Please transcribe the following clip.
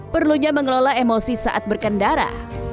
perlunya mengelola emosi saat berkendara